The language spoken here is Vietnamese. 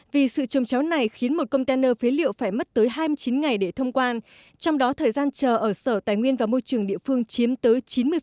vì sự trồng chéo này khiến một container phế liệu phải mất tới hai mươi chín ngày để thông quan trong đó thời gian chờ ở sở tài nguyên và môi trường địa phương chiếm tới chín mươi